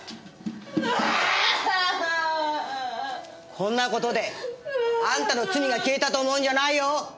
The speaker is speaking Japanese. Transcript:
こんな事であんたの罪が消えたと思うんじゃないよ！